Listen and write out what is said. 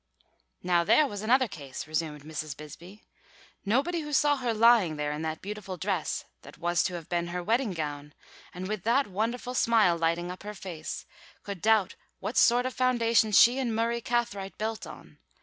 "Now, there was another case," resumed Mrs. Bisbee. "Nobody who saw her lying there in that beautiful dress that was to have been her wedding gown, and with that wonderful smile lighting up her face, could doubt what sort of a foundation she and Murray Cathright built on.